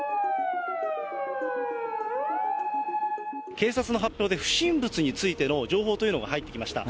警察の発表で、不審物についての情報というのが入ってきました。